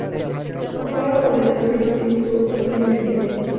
Jugaba cómo defensor y su último club fue Independiente.